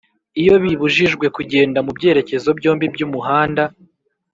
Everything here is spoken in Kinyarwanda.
Iyo bibujijwe kugenda mu byerekezo byombi by'umuhanda